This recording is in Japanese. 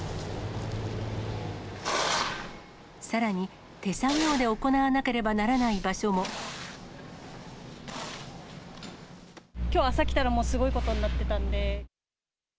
さらに手作業で行わなければならきょう朝来たら、もうすごいことになってたんで。